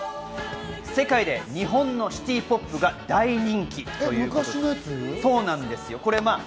世界で日本のシティポップが大人気ということです。